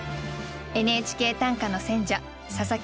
「ＮＨＫ短歌」の選者佐佐木